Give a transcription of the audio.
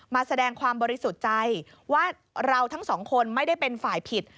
มาแสดงความบริสุทธิ์ใจว่าเราทั้งสองคนไม่ได้เป็นฝ่ายผิด